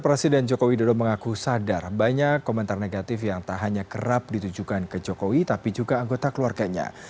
presiden jokowi dodo mengaku sadar banyak komentar negatif yang tak hanya kerap ditujukan ke jokowi tapi juga anggota keluarganya